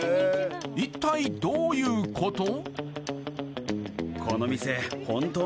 一体どういうこと？